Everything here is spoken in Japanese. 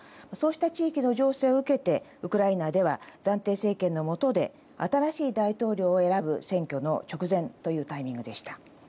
そうした地域の情勢を受けてウクライナでは暫定政権のもとで新しい大統領を選ぶ選挙の直前というタイミングでした。